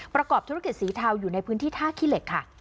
ประกอบธุรกิจสีเทาอยู่ในพื้นที่ท่าขี้เหล็กค่ะ